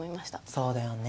そうだよね。